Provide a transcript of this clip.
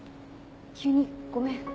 急にごめん。